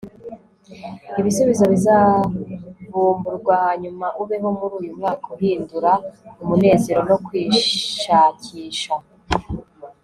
ibisubizo bizavumburwa hanyuma ubeho muri uyumwaka uhindura umunezero no kwishakisha